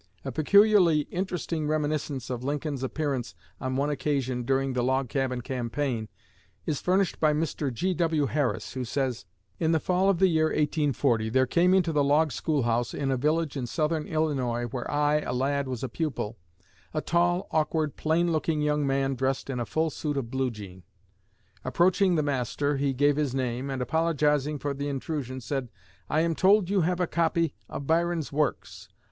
A peculiarly interesting reminiscence of Lincoln's appearance on one occasion during the "Log Cabin" campaign is furnished by Mr. G.W. Harris, who says: "In the fall of the year 1840 there came into the log school house in a village in Southern Illinois where I, a lad, was a pupil, a tall, awkward, plain looking young man dressed in a full suit of 'blue jean.' Approaching the master, he gave his name, and, apologizing for the intrusion, said, 'I am told you have a copy of Byron's works.